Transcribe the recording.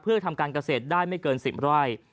เพื่อทำการเกษตรได้ไม่เกิน๑๐ไร่